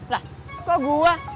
lah kok gue